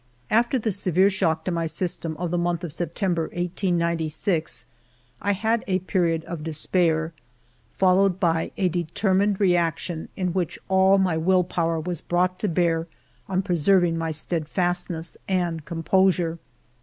After the severe shock to my system of the month of September, 1896, I had a period of despair, followed by a determined reaction, in which all my will power was brought to bear on preserving my steadfastness and composure.